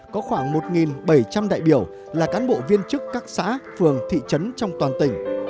có khoảng một bảy trăm linh đại biểu là cán bộ viên chức các xã phường thị trấn trong toàn tỉnh